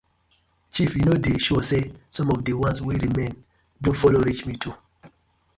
Chief yu no dey sure say som of di ones wey remain do follow reach me too.